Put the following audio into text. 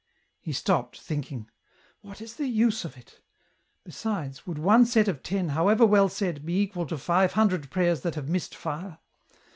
He stopped, thinking, " What is the use of it ? besides, would one set of ten, however well said, bu equal to five hundred prayers that have missed fire